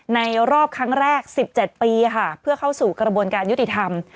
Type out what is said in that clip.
ในรอบครั้งแรก๑๗ปีค่ะเพื่อเข้าสู่กระบวนการยุติธรรม